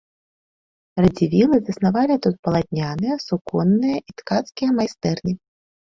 Радзівілы заснавалі тут палатняныя, суконныя і ткацкія майстэрні.